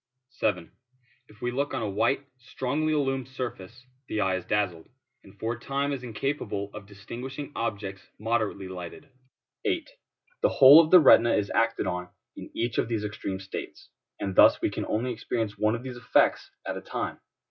7. If we look on a white, strongly illumined surface, the eye is dazzled, and for a time is incapable of distinguishing objects moderately lighted. 8. The whole of the retina is acted on in each of these extreme states, and thus we can only experience one of these effects at a time.